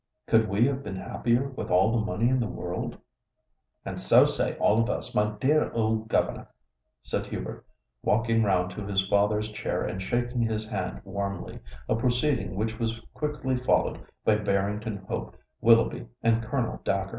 Could we have been happier with all the money in the world?" "And so say all of us, my dear old governor," said Hubert, walking round to his father's chair and shaking his hand warmly, a proceeding which was quickly followed by Barrington Hope, Willoughby, and Colonel Dacre.